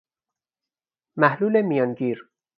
محلول میانگیر